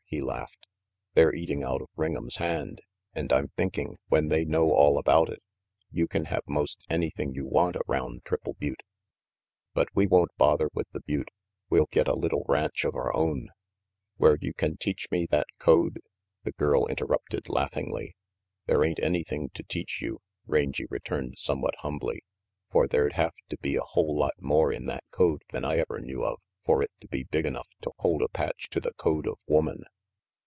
he laughed. "They're eating out of Ring 'em's hand, and I'm thinking, when they know all about it, you can have most anything you want around Triple Butte. But we won't bother with the Butte. We'll get a little ranch of our own. " RANGY PETE 409 "Where you can teach me that code," the girl interrupted laughingly. "There ain't anything to teach you," Rangy returned somewhat humbly, "for there'd have to be a whole lot more in that code than I ever knew of for it to be big enough to hold a patch to the code of woman.